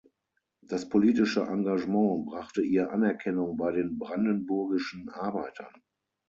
Das politische Engagement brachte ihr Anerkennung bei den brandenburgischen Arbeitern.